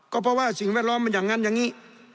ก็เพราะว่าสิ่งแวดล้อมมันอย่างนั้นอย่างนี้